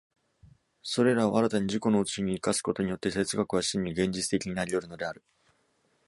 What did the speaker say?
それらを新たに自己のうちに生かすことによって、哲学は真に現実的になり得るのである。